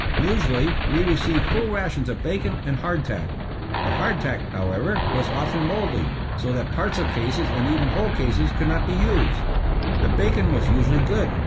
Usually we re ceived full rations of bacon and hardtack. The hard tack, however, was often mouldy, so that parts of cases, and even whole cases, could not be used. The bacon was usually good.